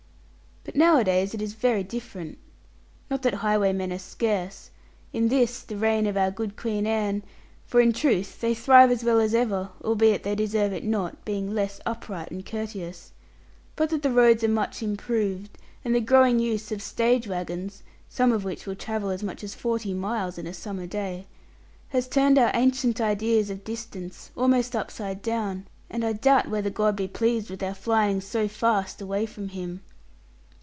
But nowadays it is very different. Not that highway men are scarce, in this the reign of our good Queen Anne; for in truth they thrive as well as ever, albeit they deserve it not, being less upright and courteous but that the roads are much improved, and the growing use of stage waggons (some of which will travel as much as forty miles in a summer day) has turned our ancient ideas of distance almost upside down; and I doubt whether God be pleased with our flying so fast away from Him.